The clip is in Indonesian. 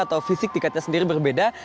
atau fisik tiketnya sendiri berbeda